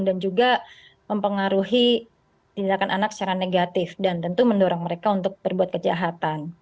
dan juga mempengaruhi tindakan anak secara negatif dan tentu mendorong mereka untuk berbuat kejahatan